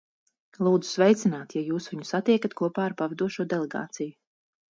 Lūdzu sveicināt, ja jūs viņu satiekat kopā ar pavadošo delegāciju.